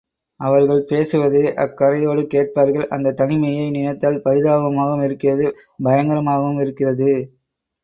அவர்கள் பேசுவதை அக் கரையோடு கேட்பார்கள் அந்தத் தனிமையை நினைத்தால் பரிதாபமாகவும் இருக்கிறது பயங்கரமாகவும் இருக்கிறது.